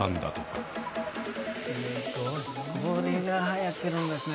すごい！これがはやってるんですね